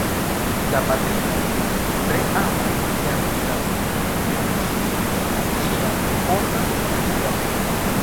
La patrino tre amas sian idon, kiun ŝi ĉiam portas sur sia brusto.